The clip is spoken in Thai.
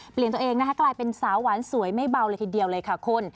ตัวเองนะคะกลายเป็นสาวหวานสวยไม่เบาเลยทีเดียวเลยค่ะคุณ